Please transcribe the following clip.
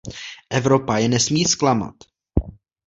Evropa je nesmí zklamat.